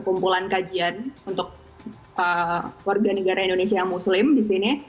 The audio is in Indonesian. kumpulan kajian untuk warga negara indonesia yang muslim disini